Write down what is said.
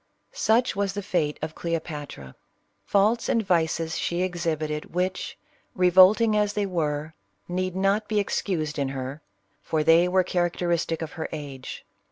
Such was the fate of Cleopatra. ^Faults and vices she exhibited, which, revolting as they were, need not be excused in her, for they were characteristic of her age.